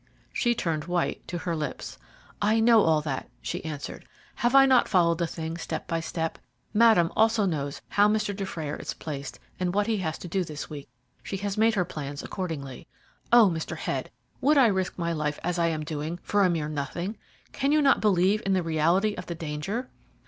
She turned white to her lips. "I know all that," she answered. "Have I not followed the thing step by step? Madame also knows how Mr. Dufrayer is placed, and what he has to do this week. She has made her plans accordingly. Oh! Mr. Head, would I risk my life as I am doing for a mere nothing? Can you not believe in the reality of the danger?"